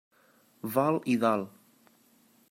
Vol i dol.